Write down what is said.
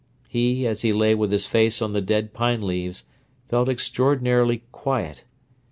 He, as he lay with his face on the dead pine leaves, felt extraordinarily quiet.